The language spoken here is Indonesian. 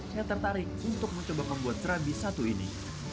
saya tertarik untuk mencoba membuat cerabi satu ini